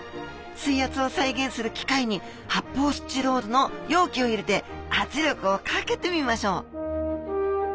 水圧を再現する機械に発泡スチロールの容器を入れて圧力をかけてみましょう。